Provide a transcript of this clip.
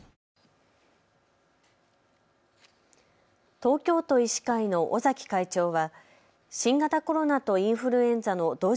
東京都医師会の尾崎会長は新型コロナとインフルエンザの同時